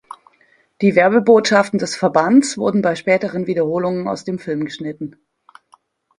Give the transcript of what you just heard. Die Werbebotschaften des Verbands wurden bei späteren Wiederholungen aus dem Film geschnitten.